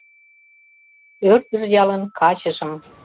Ӧрдыж ялын качыжым